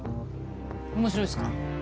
面白いっすか？